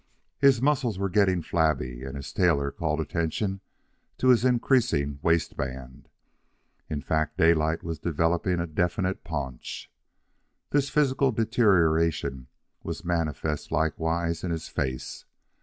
His muscles were getting flabby, and his tailor called attention to his increasing waistband. In fact, Daylight was developing a definite paunch. This physical deterioration was manifest likewise in his face.